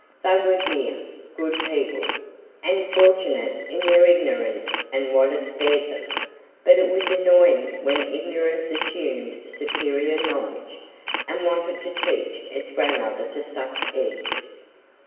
They were dear, good people, and fortunate in their ignorance and in what it spared them; but it was annoying when ignorance assumed superior knowledge, and wanted to teach its grandmother to suck eggs.